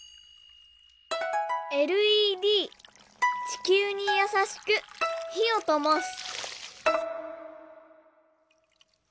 「ＬＥＤ地球にやさしくひをともす」。